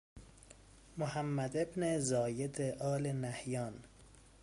محمد بن زاید آل نهیان